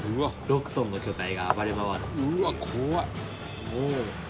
６トンの巨体が暴れ回るっていう。